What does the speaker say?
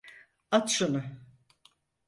At şunu!